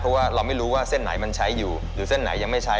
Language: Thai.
เพราะว่าเราไม่รู้ว่าเส้นไหนมันใช้อยู่หรือเส้นไหนยังไม่ใช้